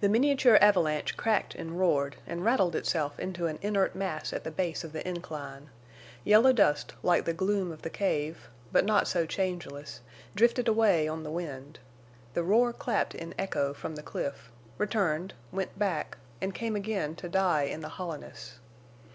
The miniature avalanche cracked and roared, and rattled itself into an inert mass at the base of the incline. Yellow dust like the gloom of the cave, but not so changeless, drifted away on the wind; the roar clapped in echo from the cliff, returned, went back, and came again to die in the hollowness.